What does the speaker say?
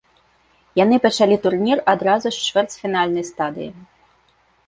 Яны пачалі турнір адразу з чвэрцьфінальнай стадыі.